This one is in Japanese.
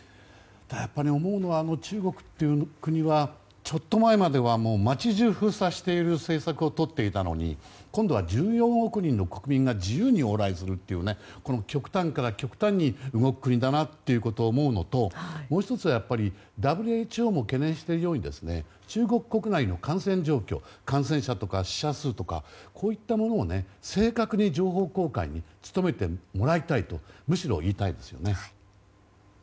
でも思うのは、中国という国はちょっと前までは街中を封鎖している政策をとっていたのに今度は１４億人の国民が自由に往来するというこの極端から極端に動く国だなということを思うのともう１つはＷＨＯも懸念しているように中国国内の感染状況感染者とか死者数とかこういったものを正確に情報公開に努めてもらいたいとむしろ、そう言いたいですよね。